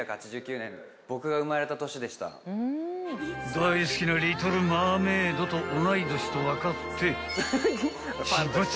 ［大好きな『リトル・マーメイド』と同い年と分かって］